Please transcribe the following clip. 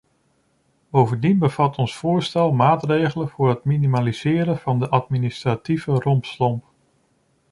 Bovendien bevat ons voorstel maatregelen voor het minimaliseren van de administratieve rompslomp.